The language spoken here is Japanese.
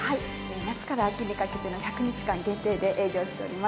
夏にから秋にかけて１００日間限定で営業しています。